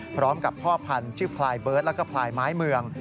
พร้อมกับพ่อพันธุ์ชื่อพลายเบิร์ตแล้วก็พลายไม้เมือง